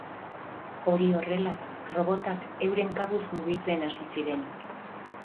Hori horrela, robotak euren kabuz mugitzen hasi ziren.